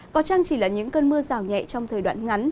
có chăng chỉ là những cơn mưa rào nhẹ trong thời đoạn ngắn